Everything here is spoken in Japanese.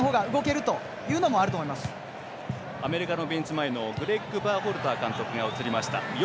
アメリカのベンチ前のグレッグ・バーホルター監督が映りました。